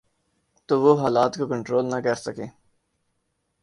تو وہ حالات کو کنٹرول نہ کر سکیں۔